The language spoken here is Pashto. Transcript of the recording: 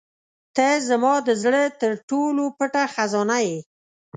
• ته زما د زړه تر ټولو پټه خزانه یې.